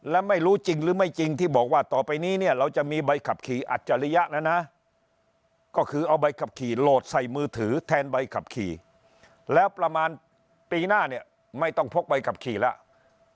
และไม่รู้จริงหรือไม่จริงที่บอกว่าต่อไปนี้เนี่ยเราจะมีใบขับขี่อัจฉริยะแล้วนะก็คือเอาใบขับขี่โหลดใส่มือถือแทนใบขับขี่แล้วประมาณปีหน้าเนี่ยไม่ต้องพกใบขับขี่แล้ว